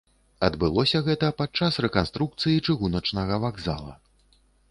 Адбылося гэта падчас рэканструкцыі чыгуначнага вакзала.